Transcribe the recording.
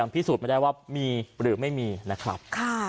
พิสูจน์ไม่ได้ว่ามีหรือไม่มีนะครับ